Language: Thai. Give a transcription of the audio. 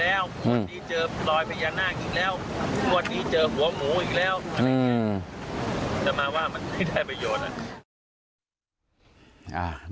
แต่มาว่ามันไม่ได้ประโยชน์